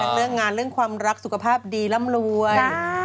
เรื่องงานเรื่องความรักสุขภาพดีร่ำรวย